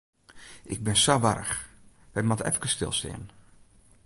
Ik bin sa warch, wy moatte efkes stilstean.